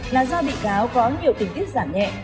là do bị cáo có nhiều tình tiết giảm nhẹ